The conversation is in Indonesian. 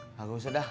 enggak usah dah